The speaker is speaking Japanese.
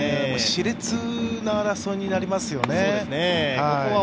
しれつな争いになりますよね。